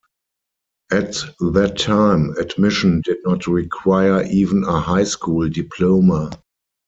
At that time, admission did not require even a high school diploma.